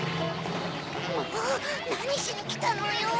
もうなにしにきたのよ。